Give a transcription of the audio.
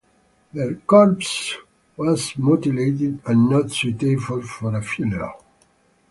The corpse was mutilated and not suitable for a funeral.